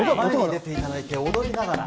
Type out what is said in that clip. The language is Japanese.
出ていただいて、踊りながら。